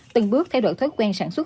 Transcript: từng bước thay đổi thói quen sản xuất